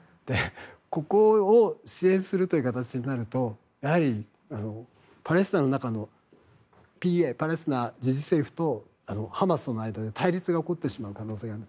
ここを支援するという形になるとやはり、パレスチナの中のパレスチナ自治政府とハマスの間で対立が起こってしまう可能性がある。